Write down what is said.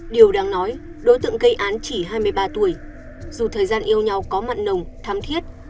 điều đáng nói đối tượng gây án chỉ hai mươi ba tuổi dù thời gian yêu nhau có mặn nồng thám thiết